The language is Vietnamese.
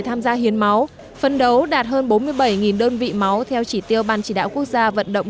tham gia hiến máu phân đấu đạt hơn bốn mươi bảy đơn vị máu theo chỉ tiêu ban chỉ đạo quốc gia vận động